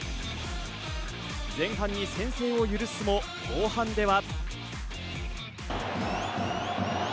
前半に先制を許すも、後半では。